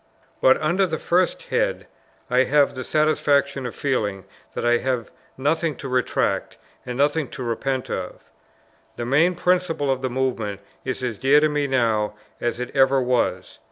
But under this first head I have the satisfaction of feeling that I have nothing to retract, and nothing to repent of. The main principle of the movement is as dear to me now, as it ever was.